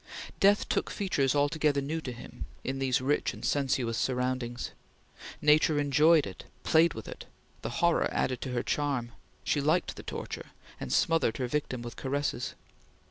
Death took features altogether new to him, in these rich and sensuous surroundings. Nature enjoyed it, played with it, the horror added to her charm, she liked the torture, and smothered her victim with caresses.